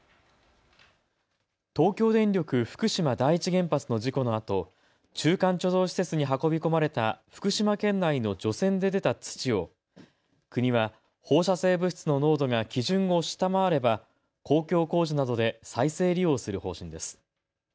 東京電力福島第一原発の事故のあと中間貯蔵施設に運び込まれた福島県内の除染で出た土を国は放射性物質の濃度が基準を下回れば公共工事などで再生利用する方針です。